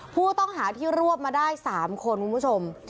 ผู้ต้องหาที่รวบมาได้๓คนคุณผู้ชม